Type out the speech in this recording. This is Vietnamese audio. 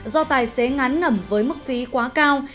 do tài xế ngán ngẩm với mức phí quá cao